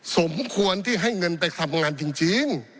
สมควรที่ให้เงินไปทำงานจริง